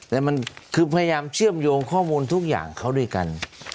แต่มันคือพยายามเชื่อมโยงข้อมูลทุกอย่างเขาด้วยกัน